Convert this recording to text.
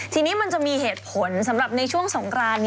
ทีนี้มันจะมีเหตุผลสำหรับในช่วงสงคราน